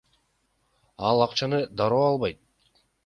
Ал акчаны дароо албайт.